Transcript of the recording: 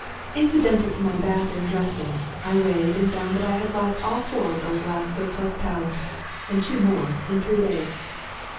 Incidental to my bath and dressing, I weighed and found that I had lost all four of those last surplus pounds and two more in three days.